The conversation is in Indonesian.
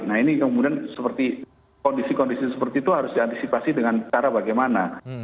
nah ini kemudian seperti kondisi kondisi seperti itu harus diantisipasi dengan cara bagaimana